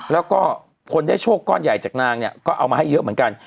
แล้วก็คนได้โชคก้อนใหญ่จากนางเนี่ยก็เอามาให้เยอะเหมือนกัน